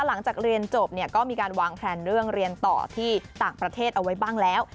หลังจากเรียนจบเนี่ยก็มีการวางแพลนเรื่องเรียนต่อที่ต่างประเทศเอาไว้บ้างแล้ว